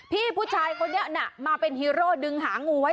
พี่ผู้ชายคนนี้น่ะมาเป็นฮีโร่ดึงหางูไว้